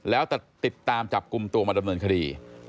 แล้วจะติดตามจับกลุ่มตัวมาดำเนินคดี